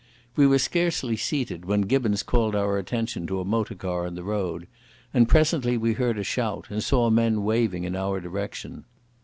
We were scarcely seated when Gibbons called our attention to a motor car on the road, and presently we heard a shout and saw men waving in our direction.